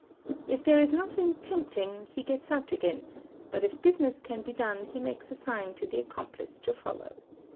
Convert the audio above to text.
If there is nothing tempting, he gets out again, but if business can be done he makes a sign to the accomplice to follow.